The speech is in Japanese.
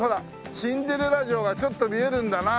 シンデレラ城がちょっと見えるんだな